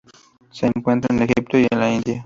Se encuentra en Egipto y la India.